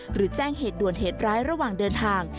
หรือแจ้งเหตุด่วนเหตุร้ายระหว่างเดินทาง